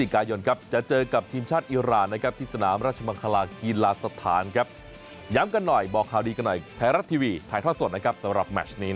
ขนาดที่วันที่๑๕พฤษฐีกายนนะครับ